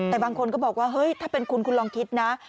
แต่บางคนก็บอกว่าเฮ้ยถ้าเป็นคุณคุณลองคิดนะ